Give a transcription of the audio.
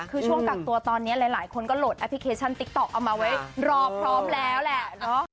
คือช่วงกักตัวตอนนี้หลายคนก็โหลดแอปพลิเคชันติ๊กต๊อกเอามาไว้รอพร้อมแล้วแหละ